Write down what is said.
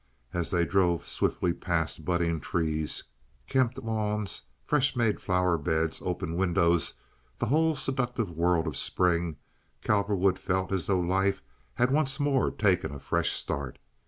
As they drove swiftly past budding trees, kempt lawns, fresh made flower beds, open windows—the whole seductive world of spring—Cowperwood felt as though life had once more taken a fresh start.